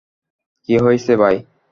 কি হইসে ভাই?